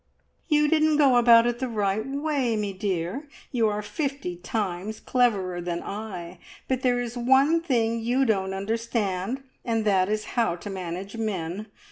"You didn't go about it the right way, me dear. You are fifty times cleverer than I, but there is one thing you don't understand, and that is how to manage men!